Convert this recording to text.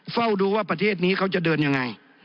เฝ้าดูว่าประเทศนี้เขาจะเดินยังไง